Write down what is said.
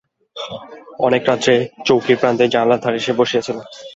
অনেক রাত্রে চৌকির প্রান্তে জানালার ধারে সে বসিয়া ছিল।